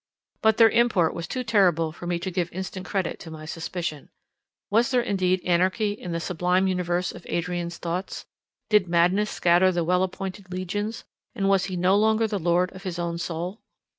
But their import was too terrible for me to give instant credit to my suspicion. Was there indeed anarchy in the sublime universe of Adrian's thoughts, did madness scatter the well appointed legions, and was he no longer the lord of his own soul?